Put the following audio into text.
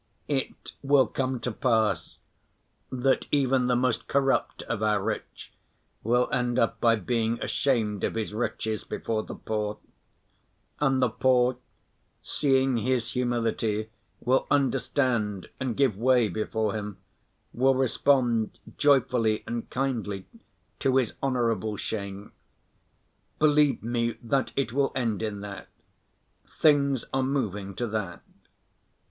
It will come to pass, that even the most corrupt of our rich will end by being ashamed of his riches before the poor, and the poor, seeing his humility, will understand and give way before him, will respond joyfully and kindly to his honorable shame. Believe me that it will end in that; things are moving to that.